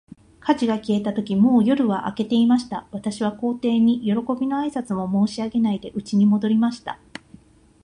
火事が消えたとき、もう夜は明けていました。私は皇帝に、よろこびの挨拶も申し上げないで、家に戻りました。